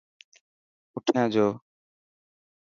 پٺيان جو.